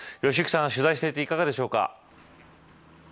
良幸さん、取材をしていていかがでしょうか。